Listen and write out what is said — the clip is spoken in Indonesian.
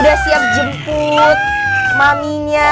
udah siap jemput maminya